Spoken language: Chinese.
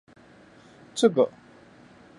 这个新总站每日可处理数十万人流。